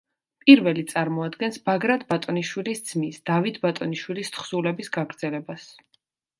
პირველი წარმოადგენს ბაგრატ ბატონიშვილის ძმის დავით ბატონიშვილის თხზულების გაგრძელებას.